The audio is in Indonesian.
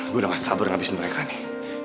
gue udah gak sabar ngabisin mereka nih